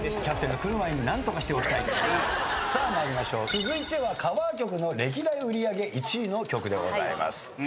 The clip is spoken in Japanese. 続いてはカバー曲の歴代売り上げ１位の曲でございます。